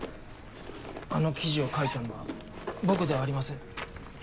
あの記事を書いたのは僕ではありません。